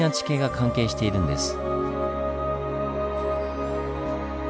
関係しているんです。